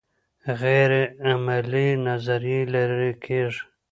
غیر عملي نظریې لرې کیږي.